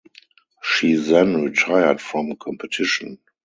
She then retired from competition.